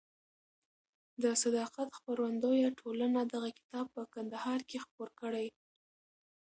د صداقت خپرندویه ټولنې دغه کتاب په کندهار کې خپور کړ.